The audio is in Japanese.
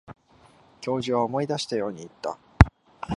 教授は思い出したように言った。